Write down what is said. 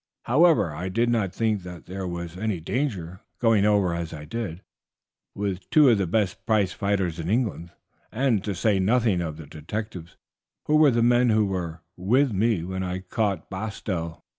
However, I did not think that there was any danger, going over as I did, with two of the best prize fighters in England, to say nothing of the detectives, who were the men who were with me when I caught Bastow.